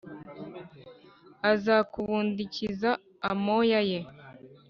azakubundikiza amoya ye,